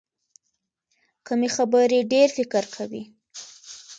کمې خبرې، ډېر فکر کوي.